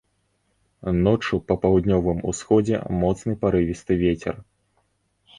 Ноччу па паўднёвым усходзе моцны парывісты вецер.